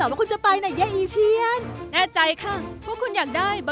งั้นพวกเราพรีมเซิร์ฟอาหารกันเลยนะครับ